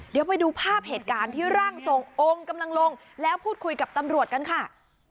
เดี๋ยวไปดูภาพเหตุการณ์ที่ร่างทรงองค์กำลังลงแล้วพูดคุยกับตำรวจกันค่ะ